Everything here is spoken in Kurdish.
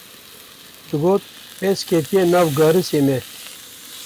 Digot: pez ketiye nav garisê me